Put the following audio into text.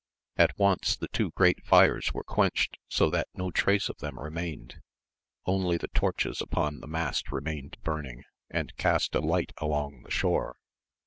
At once the two great fires were quenched so that no trace of them remained, only the torches upon the mast remained burning, and cast a light along the shore.